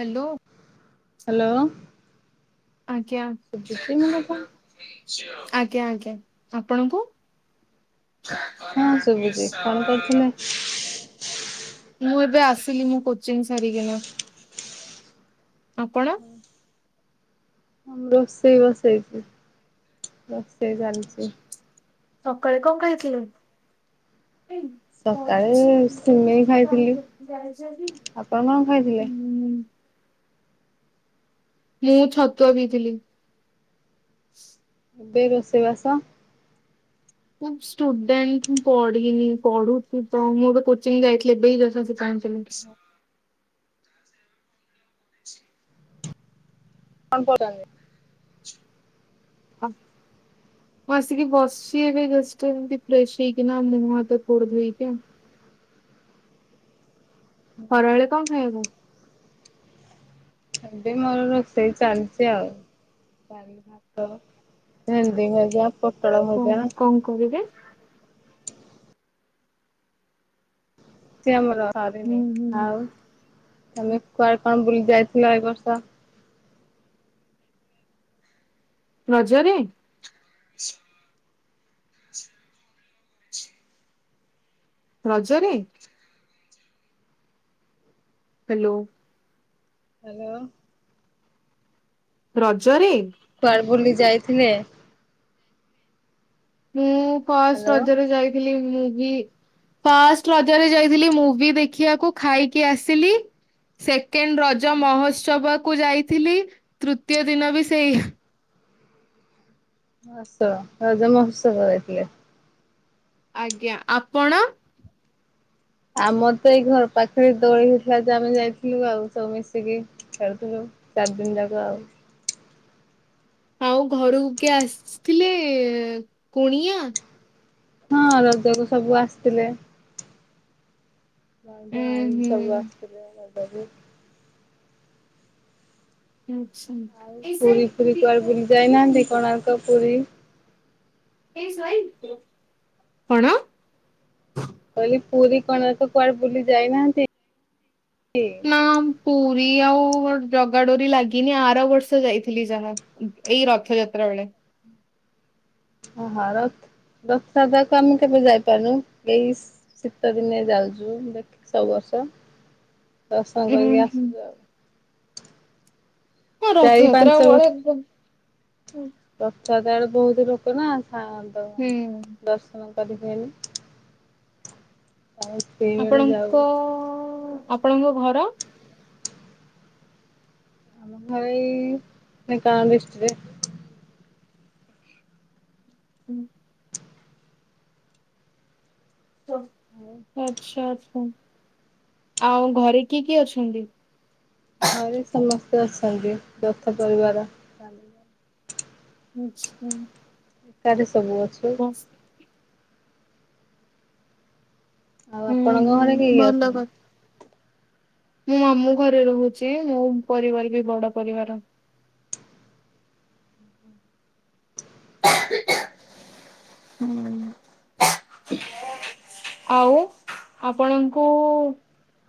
Hello. Hello. ଆଜ୍ଞା ଶୁଭୁଛି ମୋ କଥା ଆଜ୍ଞା ଆଜ୍ଞା ଆପଣଙ୍କୁ। ହଁ ଶୁବୁଚି କଣ କରୁଥିଲେ? ମୁଁ ଏବେ ଆସିଲି ମୋ କୋଚିଂ ସାରିକିନା। ଆପଣ। ମୁଁ ରୋଷେଇ ବସେଇଛି ରୋଷେଇ ଚାଲିଛି। ସକାଳେ କଣ ଖାଇଥିଲୁ। ସକାଳେ ସିମେଇ [unintelligible] ଆଉ କଣ ଖାଇଥିଲେ। ମୁଁ ଛତୁଆ ପିଇଥିଲି। ଏବେ ରୋଷେଇବାସ ମୁଁ ଷ୍ଟୁଡେଣ୍ଟ ମୁଁ ପଢିନି ପଢୁଚି ତ ମୁଁ ଏବେ କୋଚିଂ ଯାଇଥିଲି ଏବେ ହିଁ ଜସ୍ ଆସି ପହଞ୍ଚିଲି। [inaudible] କଣ କରନ୍ତି। ଅଫ [inaudible] ମୁଁ ଆସିକି ବସିଚି ଏବେ ଜଷ୍ଟ୍ ଏମିତି ଫ୍ରେଶ୍ ହେଇକିନା ମୁହଁ ହାତ ଗୋଡ ଧୋଇକା। ଖରାବେଳେ କଣ ଖାଇବୁ? ଏବେ ମୋର ରୋଷେଇ ଚାଲିଛି ଆଉ। ଡାଲି, ଭାତ, ଭେଣ୍ଡି ଭଜା, ପୋଟଳ କଣ ଭଜା। କଣ କରିବେ? ଚାଲିଛି ଆମର ହୁଁ ସରିନି ହୁଁ ଆଉ ତମେ କୁଆଡେ କଣ ବୁଲି ଯାଇଥିଲ ଏ ବର୍ଷ। ରଜରେ। ରଜରେ। ହାଲୋ। ହ୍ୟାଲୋ। ରଜରେ? କୁଆଡେ ବୁଲି ଯାଇଥିଲେ। ମୁଁ ଫାଷ୍ଟ୍ ହ୍ୟାଲୋ ରଜରେ ଯାଇଥିଲି ମୁଭି ଫାଷ୍ଟ୍ ରଜରେ ଯାଇଥିଲି ମୁଭି ଦେଖିବାକୁ ଖାଇକି ଆସିଲି। ସେକେଣ୍ଡ ରଜ ମହୋତ୍ସବ କୁ ଯାଇଥିଲି ତୃତୀୟ ଦିନ ବି ସେଇ। ମହୋତ୍ସବ ରଜ ମହୋତ୍ସବ ରେ ଯାଇଥିଲେ। ଆଜ୍ଞା ଆପଣ? ଆମର ତ ଏଇ ଘର ପାଖରେ ଦୋଳି ହେଇଥିଲା ଯେ ଆମେ ଯାଇଥିଲୁ ଆଉ ସବୁ ମିଶିକି। ଖେଲୁଥିଲୁ ଚାରି ଦିନି ଯାକ ଆଉ। ଆଉ ଘରକୁ କିଏ ଆସିଥିଲେ କୁଣିଆ? ହଁ ରଜକୁ ସବୁ ଆସିଥିଲେ। ଉଁ ଅଜା ଆଈ ହୁଁ ସବୁ ଆସିଥିଲେ ରଜକୁ। ଆଉ ପୁରୀ ଫୁରୀ କୁଆଡେ ବୁଲି ଯାଇନାହାନ୍ତି ଆଚ୍ଛା। କୋଣାର୍କ ପୁରୀ। ଏ ସାଈ ତୋର କଣ। କହିଲି ପୁରୀ କୋଣାର୍କ କୁଆଡେ ବୁଲି ଯାଇନାହାନ୍ତି। ନା ପୁରୀ ଆଉ ଜଗାଡୋରି ଲାଗିନି ଆର ବର୍ଷ ଯାଇଥିଲି ଯାହା। ଏଇ ରଥଯାତ୍ରା ବେଳେ। ଓହାରତ୍ ରଥଯାତ୍ରାକୁ ଆମେ କେବେ ଯାଇପାରୁନୁ ଏଇ ସେ ଶୀତ ଦିନେ ଯାଉଚୁ ଦେଖି ସବୁ ବର୍ଷ ଦର୍ଶନ ଉଁ କରିକି ହୁଁ। ଆସୁଛୁ ଆଉ। ହଁ ଚାରି ପାଞ୍ଚ ରଥଯାତ୍ରା ବର୍ଷ ବେଳେ ରଥଯାତ୍ରା ରେ ବହୁତ ଲୋକ ନା ଥାଆନ୍ତି। କ୍ଷମା କରିହୁଏନି। ଆପଣଙ୍କ ଆପଣଙ୍କ ଘର। ଆମ ଘରେ ଏଇ ଢେଙ୍କାନାଳ ଡିସ୍ଟିକ୍ଟରେ। ହୁଁ। ଆଚ୍ଛା ଆଛା ଆଉ ଘରେ କିଏ କିଏ ଅଛନ୍ତି? ଘରେ ସମସ୍ତେ ଅଛନ୍ତି ଯଥା ପରିବାର। [unintelligible] ଆଚ୍ଛା ତାରେ ସବୁ ଅଛୁ। [unintelligible] ଆଉ ହୁଁ ଆପଣଙ୍କ ହୁଁ ଘରେ କିଏ କିଏ ଭଲ ଅଛନ୍ତି? କଥା ମୁଁ ମାମୁ ଘରେ ରହୁଛି। ମୋ ପରିବାର ବି ବଡ ପରିବାର। ହୁଁ ଆଉ ଆପଣଙ୍କୁ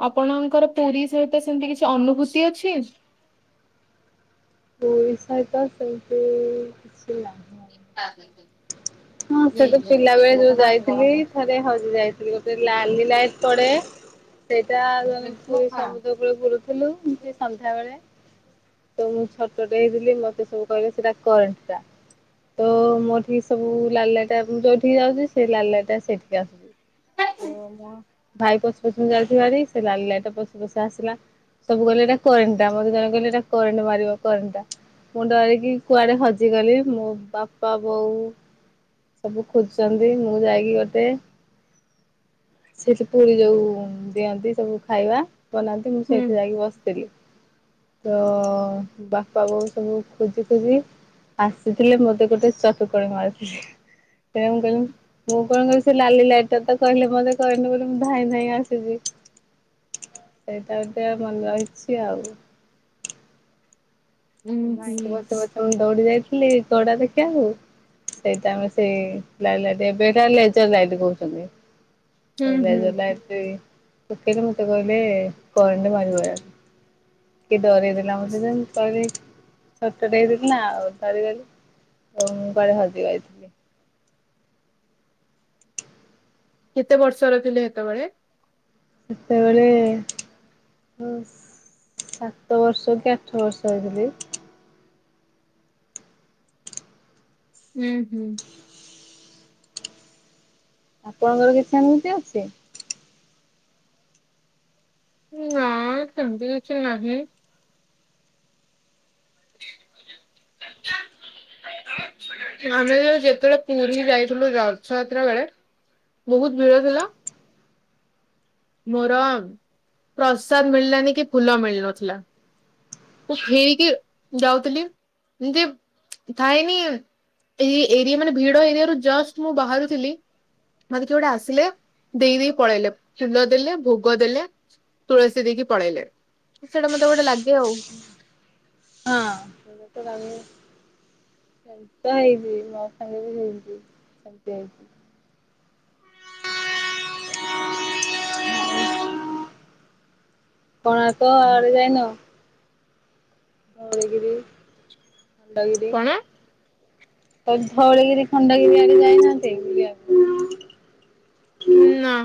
ଆପଣଙ୍କର ପୁରୀ ସହିତ ସେମତି କିଛି ଅନୁଭୂତି ଅଛି। ପଇସହିତସଲ କି ନା [unintelligible] ନି [inaudible] ହଁ ସେ ତ ପିଲା ବେଳେ ଯୋଉ ଯାଇଥିଲି ଥରେ ହଜି ଯାଇଥିଲି ଗୋଟେ ଲାଲି ଲାଇଟ ପଡେ ସେଇଟା ପୁରୀ ସମୁଦ୍ର କୂଳରେ ବୁଲୁଥିଲୁ ସନ୍ଧ୍ୟା ବେଳେ। ତ ମୁଁ ଛୋଟଟେ ହେଇଥିଲି ମତେ ସବୁ କହିବେ ସେଟା କରେଣ୍ଟ ଟା। ତ ମୋରଠି ସବୁ ଲାଲି ଲାଇଟ୍ ଟା ମୁଁ ଯୋଉଠିକି ଯାଉଚି ସେଇ ଲାଲି ଲାଇଟ୍ ଟା ସେଇଠିକି ଆସୁଚି। ମୋ ଭାଇ ପଛେ ପଛେ ମୁଁ ଯାଉଥିବି ଭାରି ସେ ଲାଲି ଲାଇଟ୍ ଟା ପଛେ ପଛେ ଆସିଲା। ସବୁ କହିଲେ ଏଇଟା କରେଣ୍ଟଟା ଆମେ ଜଣ କହିଲୁ ଏଟା କରେଣ୍ଟ ମାରିବ କରେଣ୍ଟଟା। ମୁଁ ଡରିକି କୁଆଡ଼େ ହଜିଗଲି ମୋ ବାପା ବୋଉ ସବୁ ଖୋଜୁଛନ୍ତି ମୁଁ ଯାଇକି ଗୋଟେ ସେଠି ପୁରୀ ଯୋଉ ଦିଅନ୍ତି ସବୁ ଖାଇବା ବନାନ୍ତି ମୁଁ ହୁଁ ସେଇଠି ଯାଇକି ବସେ। ତ ବାପା ବୋଉ ସବୁ ଖୋଜି ଖୋଜି ଆସିଥିଲେ ମତେ ଗୋଟେ ଚଟକଣି ମାରିଥିଲେ। [unintelligible] ମୁଁ କଣ କରିଛି ଲାଲି ଲାଇଟ ତ କହିଲେ ମତେ କହିଲି ବୋଲି ମୁଁ ଧାଇଁ ଧାଇଁ ଆସିଛି। ସେଇଟା ଟିକେ ଭଲ ହେଇଛି ଆଉ। ହୁଁ ମୋ ହୁଁ ଭାଇଙ୍କୁ ପଛେ ପଛେ ମୁଁ ଦୌଡି ଯାଇଥିଲି ଘୋଡ଼ା ଦେଖିବାକୁ। ସେଇ ଟାଇମ୍ ରେ ସେ ଲାଲି ଲାଇଟ୍ ଏବେ ଏଟା ଲେଜର୍ ଲାଇଟ୍ କହୁଛନ୍ତି। ହୁଁ [unintelligible] ହୁଁ ମତେ କଇଲେ କରେଣ୍ଟ୍ ମାରିବ କିଏ ଡରେଇଦେଲା ମତେ ଯେ ମୁଁ କହିଲି। ଛୋଟ ଟେ ଦେଇଥିଲି ନା ଆଉ ଡରିଗଲି ଆଉ ମୁଁ କୁଆଡେ ହଜି ଯାଇଥିଲି। କେତେ ବର୍ଷର ଥିଲେ ହେତେବେଳେ? ସେତେବେଳେ ସାତ ବର୍ଷ କି ଆଠ ବର୍ଷ ହେଇଥିଲି। ହୁଁ ହୁଁ ଆପଣଙ୍କର କିଛି ଅନୁମତି ଅଛି [inaudible] ନା ସେମିତି କିଛି ନାହିଁ। ଆମେ ଯେ ଯେତେବେଳେ ପୁରୀ ଯାଇଥିଲୁ ରଥଯାତ୍ରା ବେଳେ ବହୁତ ଭିଡ ଥିଲା। ମୋର ପ୍ରସାଦ ମିଳିଲାନି କି ଫୁଲ ମିଳିନଥିଲା। ମୁଁ ଫେରିକି ଯାଉଥିଲି ଯେ ଥାଇନି। ଏଇ ଏରିଆ ମାନେ ଭିଡ ଏରିଆରୁ ଜଷ୍ଟ୍ ମୁଁ ବାହାରୁଥିଲି ମତେ କିଏ ଗୋଟେ ଆସିଲେ ଦେଇ ଦେଇ ପଳେଇଲେ। ଫୁଲ ଦେଲେ, ଭୋଗ ଦେଲେ, ତୁଳସୀ ଦେଇକି ପଳେଇଲେ ସେଇଟା ମତେ ଗୋଟେ ଲାଗେ ଆଉ। ହଁ [unintelligible] ସେମିତା ହେଇଯିବି ମୋ ସାଙ୍ଗେ ବି ହେଇଯିବ ସେମିତି ହେଇଛି। ଆ କଣ ତ ଆଡେ ଯାଇନ। ମଳଗିରି ଭଣ୍ଡଗିରି [inaudible] କଣ ତ ଧଉଳିିକିରି ଖଣ୍ଡଗିରି ଆଣି ଯାଇନାହାନ୍ତି। ହୁଁ ନା।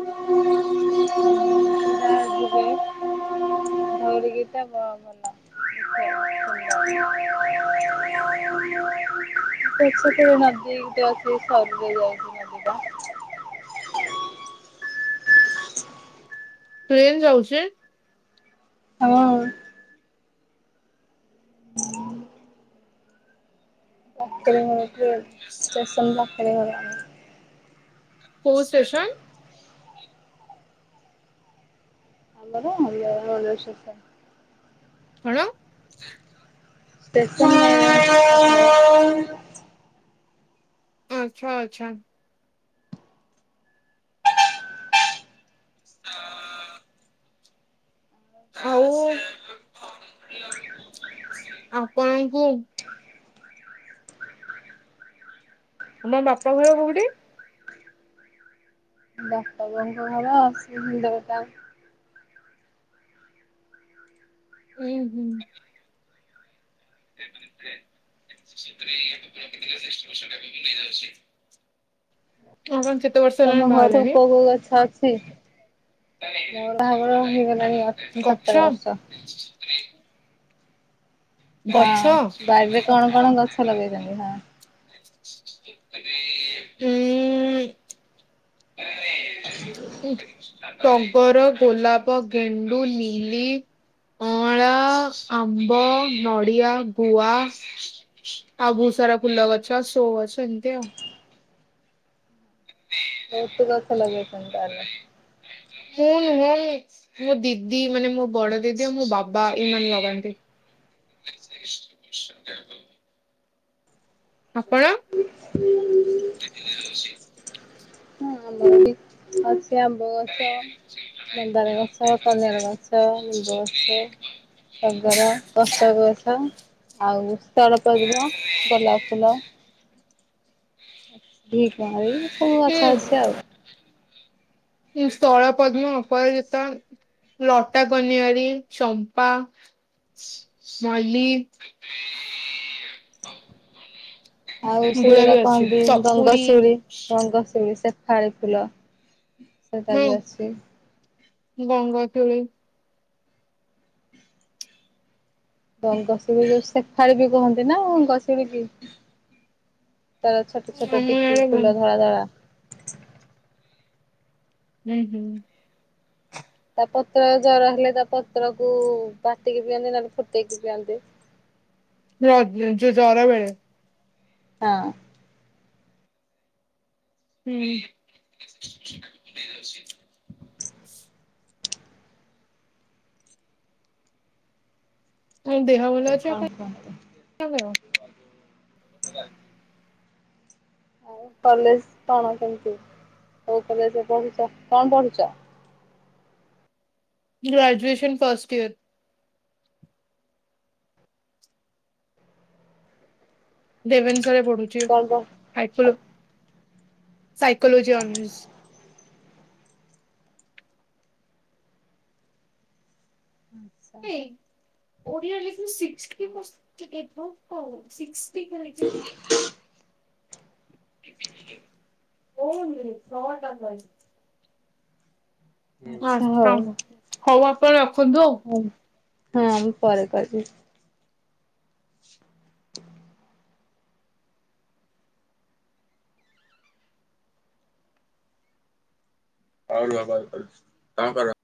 [inaudible] ଭଉଡିିକିଟା ବ ଭଲ [inaudible] [inaudible] ଆସ ସବ ଯାଇ [inaudible] [inaudible] ପ୍ଲେନ ଯାଉଛି? ହଁ। ହ ପାଖେରେ ଘର ଟ୍ରେନ୍ ଷ୍ଟେସନ୍ ପାଖେରେ ଘର। କୋଉ ଷ୍ଟେସନ? ଆବର ଆମଷ। [inaudible] କ? ଟେ [unintelligible] ଆଚ୍ଛା ଆଚ୍ଛା ହଁ। ଆଉ ଆପଣଙ୍କୁ ତମ ବାପ ଘର କୋଉଠି? ବାପା ବୋଉ ଙ୍କ ଘର ଅଶ୍ଵିନୀ ଦେବତା। ଉଁ ହୁଁ। [unintelligible] ହଁ କଣ ସେତେ ବର୍ଷ ହେଲାଣି ତମ ବାହା ଘର କୋଉ ହେଲେଣି? କୋଉ ଗଛ ଅଛି? ମୋର ବାହାଘର ହେଇଗଲାଣି ଗଛ। ସତର ବର୍ଷ। ଗଛ ହଁ ବାରିରେ କଣ କଣ ଗଛ ଲଗେଇଛନ୍ତି ହଁ। [unintelligible] [inaudible] ଟବର ଗୋଲାପ ଗେଣ୍ଡୁ ଲିଲି ଅଁଳା ଆମ୍ବ ନଡ଼ିଆ ଗୁଆ ଆଉ ବହୁତ ସାରା ଫୁଲ ଗଛ ଆଉ ସୋ ଅଛ ଏମିତି ଆଉ। [inaudible] ବହୁତୁ ଗଛ ଲଗେଇଚନୀ ତାହଲେ। [unintelligible] ମୋ ଦିଦି ମାନେ ମୋ ବଡ ଦିଦି ଆଉ ମୋ ବାବା ଏଇମାନେ ଲଗାନ୍ତି। [inaudible] ଆପଣ ହଁ ମୁଁ ଲଗେଇଚି [unintelligible] ଆମ୍ୱଗଛ। ମନ୍ଦାର ଗଛ କନିଅର ଗଛ ନିମ୍ବ ଗଛ। ଟଗର ଅଷକ ଗଛ ଆଉ ସ୍ଥଳପଦ୍ମ ଗୋଲାପ ଫୁଲ। ଘି କୁଆଁରୀ ସବୁ ଗଛ ଅଛି ଆଉ। ସ୍ଥଳପଦ୍ମ ଅପରାଜିତା। ଲଟା କନିଆରି ଚମ୍ପା। ମଲି। ଆଉ ସେ ଏଗୁଡା ଯୋଉଟା ବି ଅଛି କହନ୍ତି ସପୁରୀ ଗଙ୍ଗଶିଉଳି ଗଙ୍ଗଶିଉଳି ସେ ଶେଫାଳୀ ଫୁଲ ସେଟା ବି ଅଛି। ଗଙ୍ଗ ତୁଳି। ଗଙ୍ଗଶିଉଳି ସେଫାଳି ବି କୁହନ୍ତି ନା ଗ ଶିଉଳି କି ତାର ଛ ସେଟା ଆମ ଟିକ ଇଆଡେ ଟିକ ହୁଁ ଫୁଲ ଧଳା ଧଳା। ହୁଁ ହୁଁ। ତା ପତ୍ର ଜର ହେଲେ ତା ପତ୍ର କୁ ବାଟିକି ପିଅନ୍ତି ନହଲେ ଫୁଟେଇକି ପିଅନ୍ତି। ଯୋଉ ଜର ବେଳେ। ହଁ। ହୁଁ। ହ ଦେହ ଆଉ ଭଲ ଅଛି କଣ ଆପଣ କୁହନ୍ତୁ କର? [inaudible] ଆଉ କଲେଜ କଣ କେମିତି କୋଉ କଲେଜରେ ପଢୁଚ କଣ ପଢୁଚ? Graduation first year. ରେଭେନ୍ସା ରେ ପଢୁଛି କଣ ସାଇକୋ ସାଇକୋଲୋଜି ଅନର୍ସ। ଆଚ୍ଛା। ଓଡ଼ିଆ ଲେଖିକି ସିକ୍ସଟି ପର୍ସେଣ୍ଟ ଏଭବ୍ କଣ ସିକ୍ସି [unintelligible] ହଉନି ଛ ଟା [unintelligible] ଆଛା ହଉ ହଁ ହଉ ଆପଣ ରଖନ୍ତୁ ଆଉ। ହ ହଁ ମୁଁ ପରେ କରିବି। ହଉ ରୁହ କଲ କରୁଛି ତମେ କର।